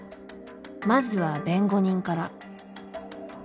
まずは弁護人から。